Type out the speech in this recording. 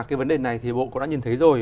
cái vấn đề này thì bộ cũng đã nhìn thấy rồi